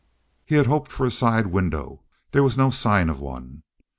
He had hoped for a side window. There was no sign of one.